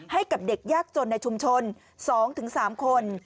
ให้กับเด็กยากจนในชุมชน๒๓คน